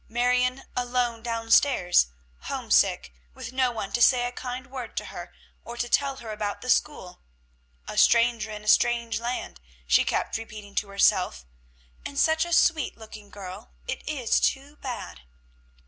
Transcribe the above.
Marion alone down stairs, homesick, with no one to say a kind word to her, or to tell her about the school, "a stranger in a strange land," she kept repeating to herself; "and such a sweet looking girl. It's too bad!"